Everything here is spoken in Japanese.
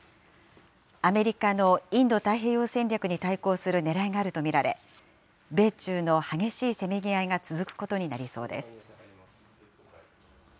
アメリカのインド太平洋戦略に対抗するねらいがあると見られ、米中の激しいせめぎ合いが続くことになりそうです。